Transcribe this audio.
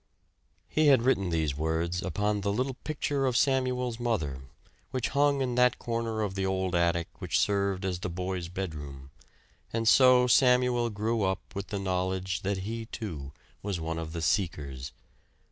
He had written these words upon the little picture of Samuel's mother, which hung in that corner of the old attic which served as the boy's bedroom; and so Samuel grew up with the knowledge that he, too, was one of the Seekers.